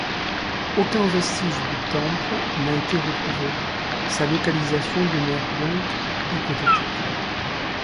Aucun vestige du temple n'a été retrouvé, sa localisation demeure donc hypothétique.